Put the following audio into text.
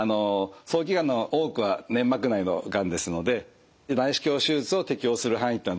早期がんの多くは粘膜内のがんですので内視鏡手術を適応する範囲っていうのは随分広まってきました。